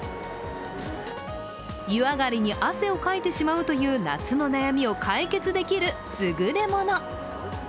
湯上がりに汗をかいてしまうという夏の悩みを解決できるすぐれもの。